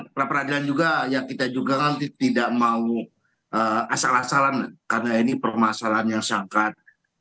pra peradilan juga ya kita juga nanti tidak mau asal asalan karena ini permasalahan yang sangat